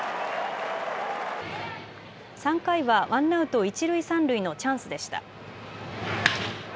３回はワンアウト一塁三塁のチャンスでした。